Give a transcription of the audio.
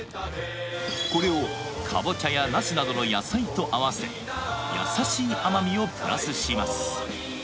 これをカボチャやナスなどの野菜と合わせ優しい甘みをプラスします